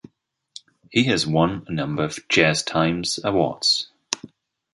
He has won a number of JazzTimes Awards.